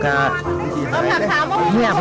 เขาก็มิติว่าไปโรงพยาบกว่า